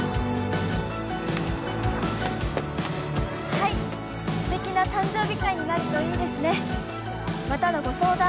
はい素敵な誕生日会になるといいですねまたのご相談